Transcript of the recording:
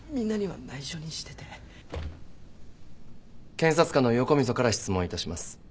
検察官の横溝から質問いたします。